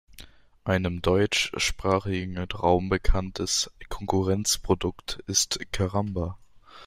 Ein im deutschsprachigen Raum bekanntes Konkurrenzprodukt ist Caramba.